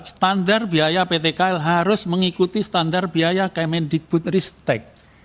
standar biaya pt kl harus mengikuti standar biaya kemen diputristek